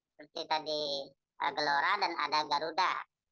seperti tadi gelora dan ada garuda